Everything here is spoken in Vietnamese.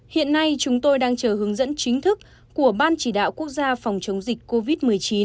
hiện nay chúng tôi đang chờ hướng dẫn chính thức của ban chỉ đạo quốc gia phòng chống dịch covid một mươi chín